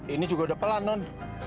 ini juga udah pelan non